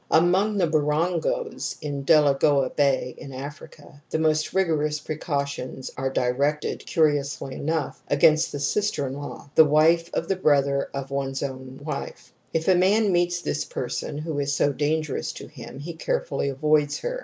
j Among the Barongos in Delagoa Bay, in Africa, the most rigorous precautions are di rected, curiously enough, against the sister in law, the wife of the brother of one's own wife. If a man meets this person who is so dangerous to him, he carefully avoids her.